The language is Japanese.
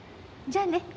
じゃあね。